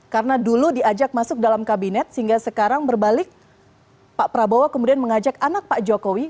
karena dulu diajak masuk dalam kabinet sehingga sekarang berbalik pak prabowo kemudian mengajak anak pak jokowi